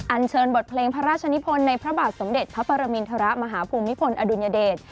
เชิญบทเพลงพระราชนิพลในพระบาทสมเด็จพระปรมินทรมาฮภูมิพลอดุลยเดช